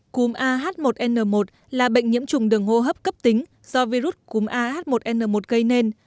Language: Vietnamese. cúm ah một n một là bệnh nhiễm trùng đường hô hấp cấp tính do virus cúm ah một n một gây nên